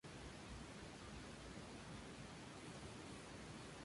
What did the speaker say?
Morris nació en Londres, hijo de teniente-coronel George Morris y Dora Wesley Hall.